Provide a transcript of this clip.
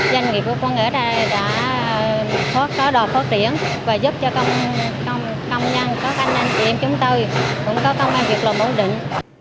doanh nghiệp của công nghệ này đã có đòi phát triển và giúp cho công nhân các anh anh chị em chúng tôi cũng có công an việc làm ổn định